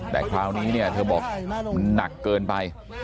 แต่คราวนี้เธอบอกหนักเกินไป